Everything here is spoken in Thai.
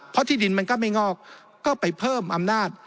เพราะที่ดินมันก็ไม่งอกก็ไปเพิ่มอำนาจ